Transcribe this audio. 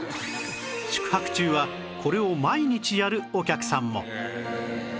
宿泊中はこれを毎日やるお客さんも